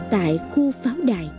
tại khu pháo đài